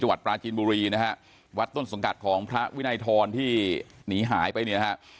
วัดปลาจีนบุรีนะฮะวัดต้นสังกัดของพระวินัยทรที่หนีหายไปเนี่ยนะฮะ